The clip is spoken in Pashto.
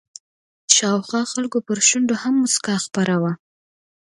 شاوخوا خلکو پر شونډو هم مسکا خپره وه.